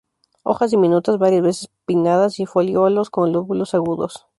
Hojas diminutas, varias veces pinnadas y foliolos con lóbulos agudos.